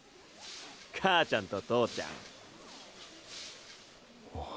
母ちゃんと父ちゃん。